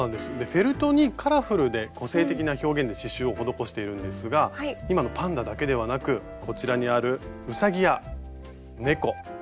フェルトにカラフルで個性的な表現で刺しゅうを施しているんですが今のパンダだけではなくこちらにあるうさぎや猫。